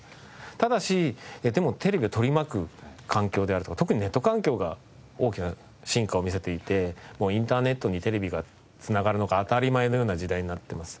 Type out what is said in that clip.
ただしでもテレビを取り巻く環境であるとか特にネット環境が大きな進化を見せていてインターネットにテレビがつながるのが当たり前のような時代になっています。